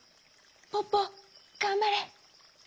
ポポがんばれ！